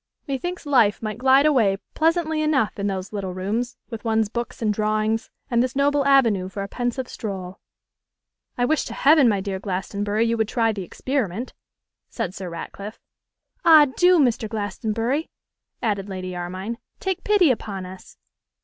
'Me thinks life might glide away pleasantly enough in those little rooms, with one's books and drawings, and this noble avenue for a pensive stroll.' 'I wish to heaven, my dear Glastonbury, you would try the experiment,' said Sir Ratcliffe. 'Ah! do, Mr. Glastonbury,' added Lady Armine, 'take pity upon us!